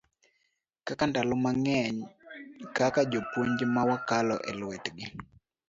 kata bang' ndalo mang'eny kaka jopuonj mawakalo e lwetgi,